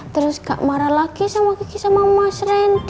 terus enggak marah lagi sama kiki sama mas rendy